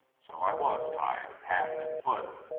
So, I was tied hand and foot.